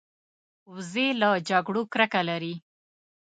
وزې له جګړو کرکه لري